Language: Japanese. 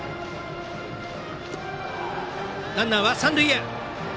ランナーは三塁へ。